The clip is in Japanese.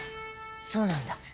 そうなんだ。